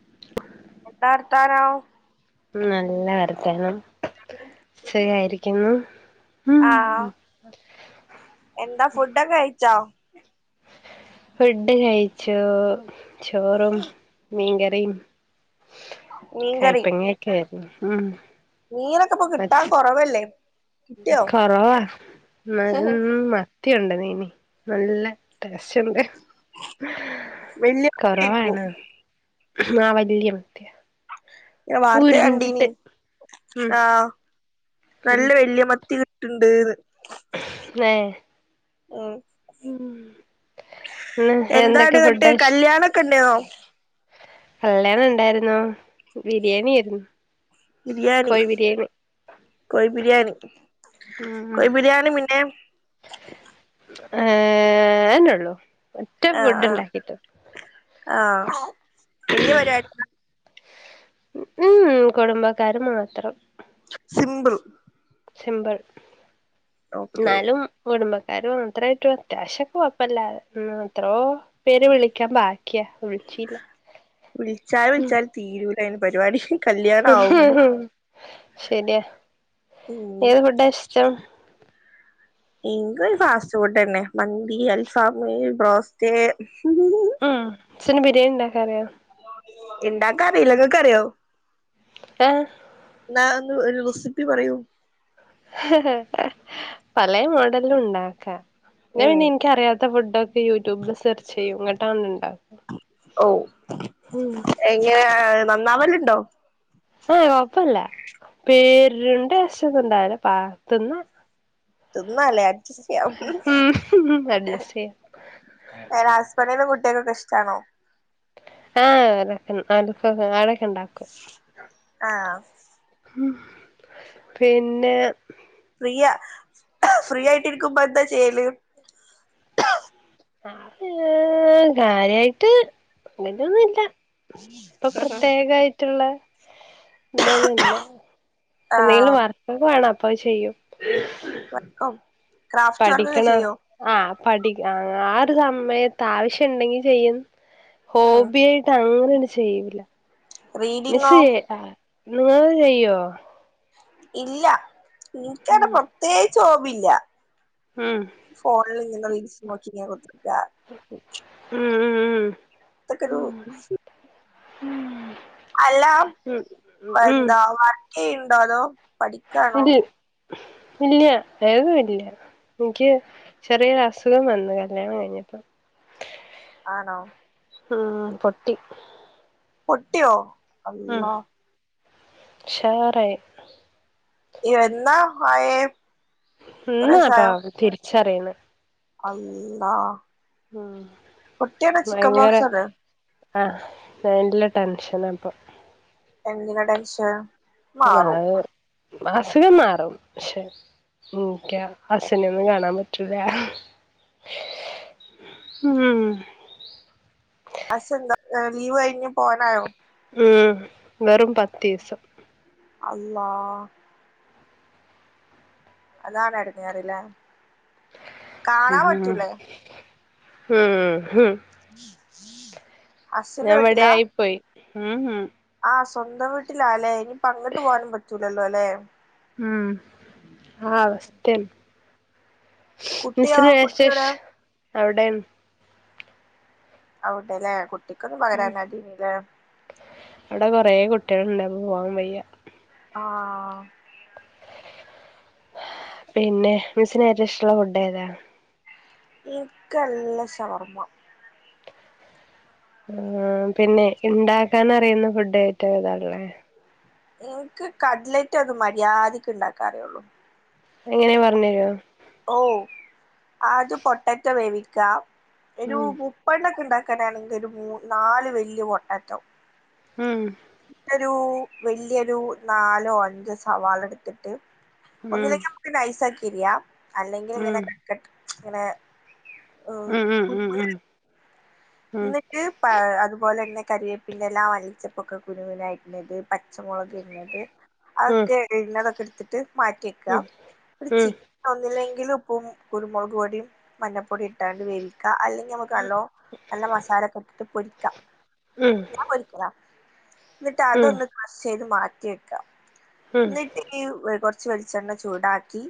[inaudible] എന്താ, വർത്താനം നല്ല വർത്താനം ശരിയായിരിക്കുന്നു. ആഹ് ഉം.. എന്താ, ഫുഡൊക്കെ കഴിച്ചോ? ഫുഡ്കഴിച്ചൂ. ചോറും, മീൻകറിയും. മീൻകറി കയ്പങ്ങയൊക്കെയായിരുന്നു. ഉം.. മീനൊക്കെ ഇപ്പൊ കിട്ടാൻ കുറവല്ലേ കൊറവാ മ മത്തിയുണ്ട് നീനി നല്ല ശുണ്ട് വല്യ കഴിക്കും കൊറവാണ് ആ വല്യം പി വർത്ത കണ്ടിനിീ ഉം ആഹ ഉം നല്ല വലിയ മത്തി കിട്ടുണ്ട് ഏ ഉം ഉ ഉ എന്താണ് എന്തൊക്കെ ങ്ങട്ട് ഫുഡഷ കല്യാണൊക്കെ ഇണ്ടേന്നോ കല്യാണം ഉണ്ടായിുന്നോ ബിരിയാണി ആായിരുന്നു ബിരിയാണി കോയ് ബിരിയാണി കോയ് ബിരിയാണി പിന്നെ ഏർ അനെള്ളൂ ആഹ ആഹ ആഹ വല്യ വരുട്ട ഉം കുടുംബക്കാര് മാത്രം സിമ്പിൾ സിമ്പിൾ ഓക്കെ എന്നാലും കുടുംബ കാര്യ അത്രായിട്ടും അത്യാവശ്യംൊക്കെ കുഴപ്പമല്ല അ എത്രോ പേര് വിളിക്കാൻ പായ ക്കിയ വിളിച്ചിലാ വിളിച്ചാൽ വിളിച്ചാൽ തീരൂല അയിന് പരിപാടി കല്യാണ ആവുമ്പോ ശരിയാ ഉം ഏത് ഫുഡാ ഇഷ്ടം എ ഫാസ്റ്റ് ഫുഡ് തന്നെ മന്തി അൽഫമ ബ്രോസ് ഉം പിന്ന ബിരിയാണി ഉണ്ടാക്ക അറിയോ ഇണ്ടാക്കാറില്ല ഇങ്ങക്കറിയോ ആഹ എന്നാ ഒന്ന് റെസിപ്പി പറയു ഹേ ഏഹ് പലെ മോഡലും ഉണ്ടാക്കാം ഞാൻ ഉം പിന്നെ എനിിക്കറിയാത്ത ഫുഡ് യൂട്യൂബില് സെർച്ച് ചെയ്യും ഇങ്ങട്ടാ ഇണ്ടാക്കുക ഓ നന്നാവല്ലണ്ടോ പേരുണ്ട്ഷ്ട് ഇണ്ടല്ല പാ തിന്ന ന്നല്ലേ അഡ്ജസ്റ്റ് ചെയ്യാം ഉം അഡ്ജസ്റ്റ് ചെയ്യാം എന്റെറെ ഹസ്ബൻറിും കുട്ടികക്കൊക്കെ ഇഷ്ടാണോ ആഹലക്കലക്ക ആടൊക്കെ ഇണ്ടാക്കും ആഹ് പിന്നെ ഫീ ഫ്രീ ആയിട്ടിരിക്കുമ്പോ എന്താ ചെയ്യല് ആ കാര്യായിട്ട് അങ്ങനനൊന്നുംല്ല ഇപ്പൊ പ്രത്യേക ആയിട്ടുള്ള- എന്തൊന്നുമല്ല എന്തെങ്കിലും ആഹ് വർക്കൊക്കെ വേണം അപ്പൊ ചെയ്യും വർക്കും ക്രാഫ്റ്റ് വർക്കൊക്കെ പഠിക്കണ ചെയ്യോ ആഹ പഠിക്ക ആ ഒരു സമയത്ത് ആവശ്യണ്ടെങ്കി ചെയ്യും ഉം ഹോബി ആയിട്ട് അങ്ങനെയൊന്ന ചെയ്യില്ല മിസ് റീഡിങ്ങോ ചെയ്യണ്ട നിങ്ങള് ചെയ്യോ ഇല്ല നിനിക്കടെ ഉം പ്രത്യേകിച്ച് ഓവില്ല ഉം ഫോണില് ഇങ്ങനെ റീൽസ് നോക്കിങ്ങാ കൊടുത്തിക്ക ഉം ഉം ഉം തക്കൂ [unintelligible] ഉം [unintelligible] അല്ല ഉം ഉം എന്താ വർക്ക് ചെയ്യുന്നുണ്ടോ അതോ പഠിക്കാണോ ഇല്ല ഇല്ല ഏക ഇല്ല [unintelligible] എനിക്ക് ചെറിയൊരു അസുഖം വന്നു കല്യാണം കഴിഞ്ഞപ്പ- ആണോ ആഹ പൊട്ടി പൊട്ടിയോ ഉം അല്ലാ ഉഷാറായി എന്നാ മായേ ഇന്നാപ്പാ തിരിച്ചറിയണ അപ്പാ പൊട്ടിയാണ് ചിക്കൻ ബോക്സ്ണ് ആഹ നല്ല ടെൻഷന അപ്പൊ എന്തിനാ ടെൻഷൻ മാറും അസുഖം മാറും പക്ഷെ ഉം എനിക്കാ അച്ചനെ ഒന്നും കാണാൻ പറ്റൂില്ല അം [unintelligible] ഉം ഹസ്ബൻഡ് എന്താ ലീവ് കഴിഞ് പോയാതാണോ ഉം വെറും പത്ത് ദിവസം അല്ലാ അതാണ് ഇടങ്ങറ ഇല്ലേ കാണാൻ ഉം പറ്റൂല്ലേ ഉം ഹ് ഹ ഹ [unintelligible] ഞാൻവിടെ ആയിപ്പോയി ഉം ആഹ് സ്വന്തം വീട്ടിലാ അല്ലെ ഇനി പങ്കിട്ട് പോകാനും പറ്റൂലല്ലോ അല്ലെ ഉം ആഹ് അവസ്സ്ഥ - കുട്ടിയോ മിസ്ര കുട്ടി വിശേഷ എവിടെ അവിടൊണ് അവിടെല്ലേ കുട്ടിക്കൊന്നും ഉം പകരാനടനല്ലേ അവിടെ കൊറെ കുട്ടികളുണ്ടപ്പ പോവാൻ വയ്യ ആഹ പിന്നെ മിസിന് ഏറ്റവും ഇഷ്ടമുള്ള ഫുഡ ഏതാ എനക്ക്ല്ല ഷവർമ്മ ആ പിന്നെ ഇണ്ടാക്കൻ അറിയുന്ന ഫുഡ് ഏറ്റവും ഇതല്ലേ എനിക്ക് കട്ലറ്റ് അത് മര്യാദക്ക് ഇണ്ടാക്കാറിയള്ളു എങ്ങനെയ പറഞ്ഞരുവോ ഓ ആദ്യ പൊട്ടാറ്റ വേവിക്കാം ഒരു ഉം മുപ്പണ്ട ഒക്കെ ഉണ്ടാക്കിക്കോ ഉൺടാക്കണെങ്കിൽ ഒരു മൂന്ന് നാല് വല്യ പൊട്ടട്ടോ ഉം രൂ വല്യൊരു നാലോ അഞ്ചോ സവാള എടുത്തിട്ട് ഉം ഒന്നില്ലെങ്കി നമുക്ക് നൈസാക്കി അരിയാ അല്ലെങ്കിലിങ്ങനെ ഉം കട്ട്‌ ഇങ്ങനെ ഉം ഉം ഉം ഉം ന്നിട്ട് പാ അതുപോലെന്നെ കറിവേപ്പിന്റെല മലിച്ചപ്പൊക്കെ കുനുകുനാരിഞ്ഞിട്ട് പച്ചമുളക് രിഞ്ഞിട്ട് അതൊക്കെള്ളതൊക്കെട്ത്തിട്ട് മാറ്റിവെക്ക ഒരു ചി ഒന്നൂല്ലെങ്കി ങ്കിലുപ്പും കുരുമുളക് പൊടിയും മഞ്ഞപ്പൊടിയു ഇട്ടാണ്ട് വേവിക്ക അല്ലെങ്കിൽ നമുക്കല്ലോ നല്ല മസാലക്കെട്ടിട്ട് പൊരിക്കാം ഞാ പൊരിക്കലാ ന്നിട്ട് അതൊന്ന് ക്രഷെയ്ത് മാറ്റി വെക്ക ന്നിട്ട് ഈ കുറ ച്ച് വെൾച്ചെണ്ണ ചൂടാക്കി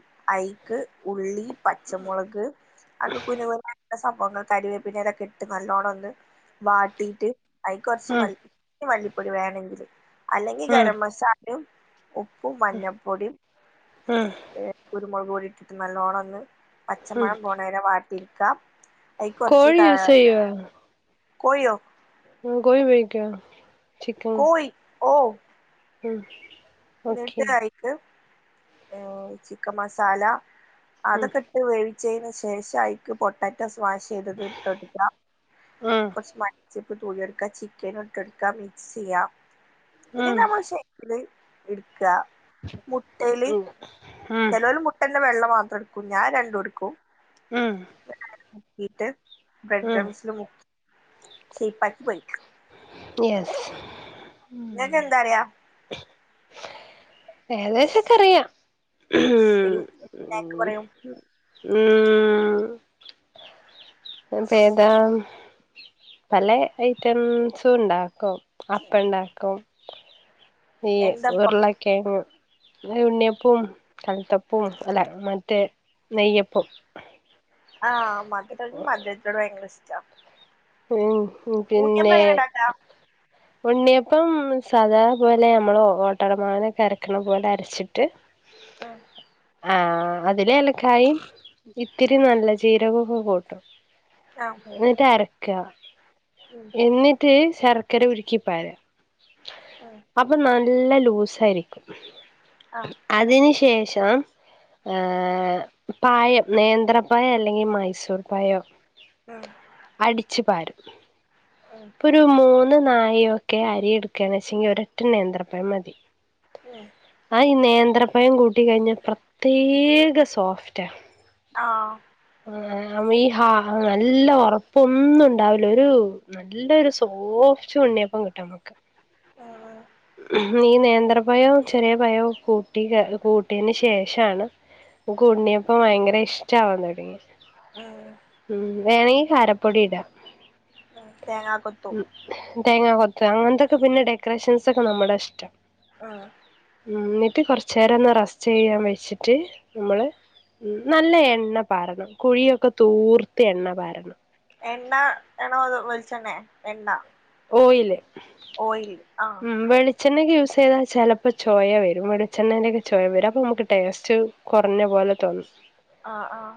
ഐക്ക് ഉള്ളി പച്ചമുളക് അഒക്കെ കുനുകുനാക്കി അപ്പൊ കരിവേപ്പിന്റെലൊക്കെട്ട് നല്ലോണൊന്ന് വാട്ടീട്ട് അയ്ക്കൊറച്ച് ഉം മൽ ഉം മല്ലിപ്പൊടി വേണെങ്കിൽ അല്ലെങ്കിൽ ഗരം മസാലും ഉപ്പും മഞ്ഞപ്പൊടിം ഉം ഏ കുരുമുളക് പൊടി ഇട്ടിട്ട് നല്ലോണൊന്ന് പച്ചമണം ഉം പോണവരെ വാട്ടിട്ക്കാം അയ്ക്കൊറച്ച് കോഴി കാ യൂസ് കോഴിയോ ആ കോയിപയോഗിക്കോ ചിക്കൻ കോഴി ഓ ഉം ഓക്കെ ന്നിട്ട് അയ്ക്ക് ഏഹ് ചിക്കൻ മസാല ഉം അതൊക്കെ ഇട്ട് വേവിച്ചേന് ശേഷം അയ്ക്ക് പൊട്ടാറ്റോസ് വാഷിതത് ഇട്ടൊട്ക്ക ഉം കൊറച്ച് മല്ലി ചെ പ്പ് തൂവി കൊടുക്ക ചിക്കനുട്ടൊട്ക്ക മിക്സിയാ ന്ന്ട്ട് ഉം മ്മള് ശരിക്കില് ഇടുക്ക മുട്ടേല് ഉം ഉം ചെലോര് മുട്ടേൻ്റെ വെള്ളം മാത്രടുക്കും ഞാ രണ്ടുടുക്കും ഉം മുക്കീട്ട് ബ്രഡ് ഉം ക്രംസില് മുക്കി ഷെയ്പ്പാക്കി പൊരിക്ക യെസ് ങ്ങകെന്താറിയാ ഏകദേശൊക്കറിയാം ഒരു സ്‌നാക്ക് പറയൂ ഉംം ഞാപ്പേതാ ഹും പല ഐറ്റംസും ഉണ്ടാക്കും അപ്പണ്ടാക്കും നീയ് എന്താപ്പ ഉരുളക്കേങ്ങ് പിന്നെ ഉണ്ണിയപ്പും കൽത്തപ്പും അല്ല മറ്റേ നെയ്യപ്പും ആ മധുരടും മധുരത്തിനോട് ഭയങ്കരഷ്ടാ ഉം ഹ് പിന്നെ ഉണ്ണിയ പ്പം സാദാ പോലെ നമ്മള് ഓട്ടടമാവിനൊക്കെ അരക്കണ പോലെ അരച്ചിട്ട് അ ആ അതില് ഏലക്കായിം ഇത്തിരി നല്ല ജീരകൊക്കെ കൂട്ടും ആഹ് എന്നിട്ട് അരക്ക ഉം എന്നിട്ട് ശർ ക്കര ഉരുക്കി പാര ഉം അപ്പൊ നല്ല ലൂസായിരിക്കും ആഹ് അതിന് ശേഷം ഏ് പായം നേന്ത്രപ്പയം അല്ലെങ്കി മൈസൂർ പയം ആ അടിച്ചു പാരും ഇപ്പോ ഒരു മൂ ന്ന് നാഴി ഒക്കെ അരി എടുക്കണച്ചേങ്കി ഒരൊറ്റ നേന്ത്രപ്പഴം മതി ഉം ആ ഈ നേന്ത്രപ്പയം കൂട്ടികഴിഞ്ഞ പ്ര ത്യേക സോഫ്റ്റാ ആഹ് അങ്ങനെ അമ്മയീ ഹാ നല്ല ഉറപ്പൊന്നും ഉണ്ടാവുല ഒരു നല്ലൊരു സോഫ്റ്റ് ഉണ്ണിയപ്പം കിട്ടും മുക്ക് ഉം ഈ നേന്ത്ര നേന്ത്രപ്പയോം ചെറിയ പയോം കൂട്ടിക്ക കൂട്ട്യേൻ്റെ ശേഷാണ് മ്മ്ക്ക് ഉണ്ണിയപ്പം ഭയങ്കര ഇഷ്ടമാവാൻ തുടങ്ങി ഉം ഉം വേണെങ്കി കാരപ്പൊടി ഇടാം ആ തേങ്ങാ കൊത്തും തേങ്ങ കൊത്ത് അങ്ങനത്തൊക്കെ പിന്നെ ഡെക്കറേഷൻസൊക്കെ നമ്മളടെ ഇഷ്ടം ആഹ് ഉം ന്നിട്ട് കൊറച്ച് നേരം ഒന്ന് റസ്റ്റീയ്യാൻ വെച്ചിട്ട് മ്മള് ഉം നല്ല എണ്ണ പാരണം കുഴിയൊക്കെ തൂർത്ത് എണ്ണ പാരണം എണ്ണ ആണോ അതോ വെളിച്ചണ്ണെ എണ്ണ ഓയില് ഓയിൽ ആഹ് ഉം വെളിച്ചെണ്ണക്കെ യൂസ് ചെയ്താ ചെലപ്പോ ചൊയ വരും വെളിച്ചെണ്ണൻ്റക്കെ ചൊയ വരും അപ്പൊ മ്മുക്ക് ടേസ്റ്റ് കുറഞ്ഞ പോലെ തോന്നും ആഹ് ആഹ്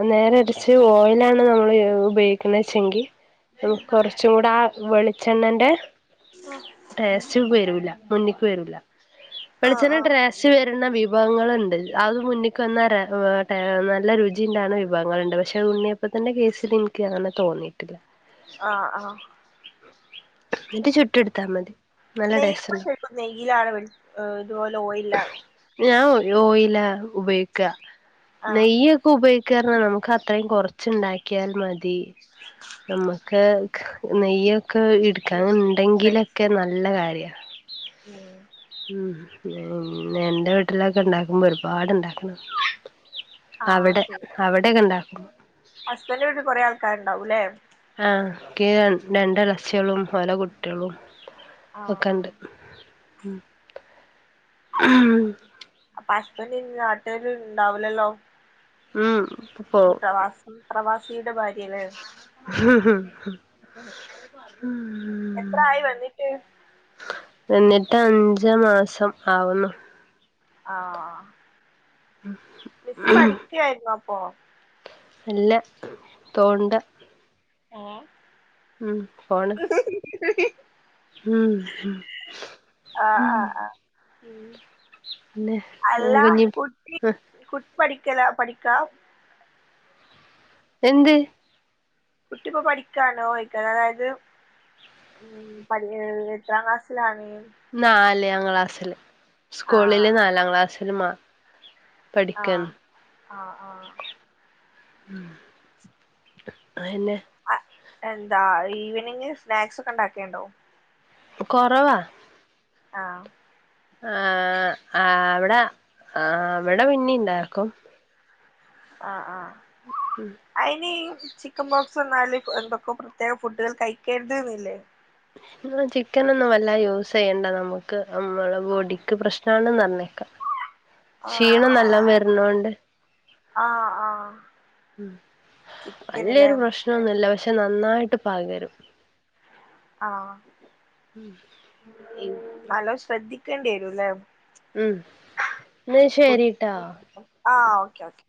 ആ നേരെറച്ച് ഓയിലാണ് നമ്മള് ഉപയോഗിക്കുന്നേച്ചെങ്കി നമുക്ക് കുറച്ചും കൂടെ ആ വെളിച്ചെണ്ണന്റെ ടേസ്റ്റ് വരൂല്ല മുന്നിക്ക് വരൂല്ല ആഹ് വെളിച്ചെണ്ണ ആഹ് ഡ്രസ് വരുന്ന വൃ വിഭവങ്ങളുണ്ട് അത് മുന്നിൽക്ക് വന്ന നല്ല രുചിണ്ടാണ് വിഭവങ്ങളുണ്ട് പക്ഷെ ഉണ്ണിയപ്പം അതന്റെ കേസിൽ എനിക്ക് അങ്ങനെ തോന്നിയിട്ടില്ല ആഹ ആഹ അത് ചുട്ടെടുത്താ മതി നല്ല ടേസ്റ്റ് ഉണ്ടാവും നെയ്യ നെയയിലണോ ഇതുപോലെ ഓയിലാണോ ഓയിയില ഉപയോഗിക്ക ആഹ് നെയ്യ ഒക്കെ ഉപയോഗിക്ക കറ നമുക്ക് അത്രയും കുറച്ചുണ്ടാക്കിയാൽ മതി നമുക്ക് നെയ്യൊക്കെ ഇടുക്ക എക്സ്പെൻസ് ഉണ്ടെങ്കിലൊക്കെ നല്ല കാര്യമാണ്. ഉം ഉം പിന്ന എൻന്റെ വീട്ടിലൊക്കെ ഉണ്ടാക്കുമ്പോ ഒരുപാട്ണ്ടാക്കും അവിടെ അവിടെയൊക്കെ ഇണ്ടാക്കും ഹസ്ബൻഡ് വീട്ടിൽ കുറെ ആൾക്കാർ ഉണ്ടകും ലേ ആ ക് രണ്ട് ഇളച്ചികളും ഓല കുട്ടികളും ആഹ് ഒക്കെണ്ട് അപ്പൊ ഹസ്ബൻഡ് നാട്ടുല് ഇണ്ടാവില്ലല്ലോ മമ് ഈ പ്രവാസം പ്രവാസിയുടെ ഭാര്യ ലേ ഹ്ഹ് ഉം എത്ര ആയി വന്നിട്ട് എന്നിട്ട് അഞ്ച മാസം ആവുന്നു ആഹ മിസ്സ് പഠിക്കയായിരുന്നു അപ്പൊ അല്ല തോണ്ട ഓ ഉം ഫോണ് ഹം മം മം ഉ അല്ല കുഞ്ഞി കുട്ടി ആഹ് പഠിക്കല പഠിക്കാ എന്ത് കുട്ടിപ് പഠിക്കണോ ചോദിക്കാ അതായത് ഉം പ എത്രാം ക്ലാസ്സിലാണ് ല് സ്കൂളില് ആഹ് നാലാം ക്ലാസ്സില് മാ ആഹ പഠിക്കാണ് ആഹ ആ ഉ അയിന്നെ എന്താ ഈവനിങ് സ്നാക്സ് ഒക്കെ ഉണ്ടാക്കിയുണ്ടോ കൊറവാ ആ ആ അവിടെ ആ അവിടെ പിന്നി ഉണ്ടാക്കും ആ ഉം ആഅയിനി ചിക്കൻ ബോക്സ് എന്നാല് എന്തൊക്കെ പ്രത്യേക ഫുഡുകൾ കഴിക്കരുതുന്നില്ലേ ചിക്കൻന്നും വല്ല യൂസ് ചെയ്യണ്ട നമുക്ക് നമ്മള ബോഡിക്ക് പ്രശ്ന ആണന്ന് പറഞ്ഞെ ആഹ് ക്ഷീണം ആഹ് നല്ലാം വരണോണ്ട് ആഹ് ആഹ് ആഹ് ചിക്കനില്ലേ നലയൊരു പ്രശ്നൊന്നുമല്ല പക്ഷ പക്ഷെ നന്നായിട്ട് പകരും ആ നലോ ശ്രദ്ധിക്കേണ്ടി വരൂലേ ഉം ന്നാ ശരിട്ടോ ആ ഓക്കെ ഓക്കെ